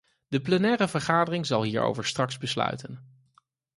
De plenaire vergadering zal hierover straks besluiten.